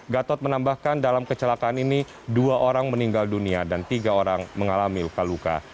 gatot menambahkan dalam kecelakaan ini dua orang meninggal dunia dan tiga orang mengalami luka luka